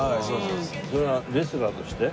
それはレスラーとして？